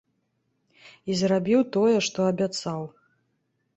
І зрабіў тое, што абяцаў.